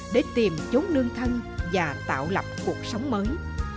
để tìm chốn nương thân và tạo lập cuộc sống mới